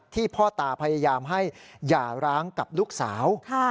พ่อตาพยายามให้หย่าร้างกับลูกสาว